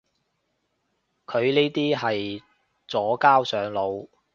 佢呢啲係左膠上腦